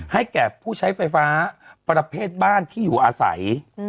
แก่ผู้ใช้ไฟฟ้าประเภทบ้านที่อยู่อาศัย